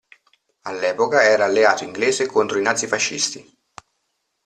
All'epoca era alleato inglese contro i nazifascisti.